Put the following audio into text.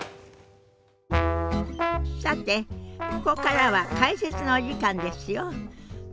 さてここからは解説のお時間ですよ。